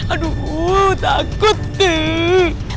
aduh takut sih